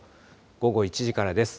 午後１時からです。